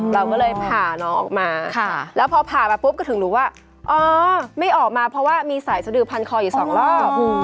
เราก็เลยผ่าน้องออกมาแล้วพอผ่ามาปุ๊บก็ถึงรู้ว่าอ๋อไม่ออกมาเพราะว่ามีสายสะดือพันคออยู่สองรอบ